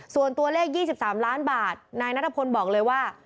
ส่วนตัวเลข๒๓ล้านบาทนายนัทพลบอกเลยว่า